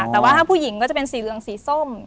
แต่ว่าหากผู้หญิงก็เป็นสีเวิงสีส้ม